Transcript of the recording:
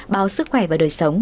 báo sức khỏe và đời sống